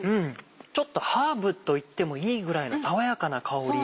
ちょっとハーブといってもいいぐらいの爽やかな香り。